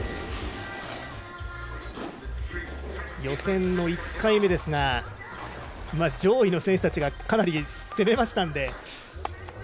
予選の１回目ですが上位の選手たちがかなり攻めましたので。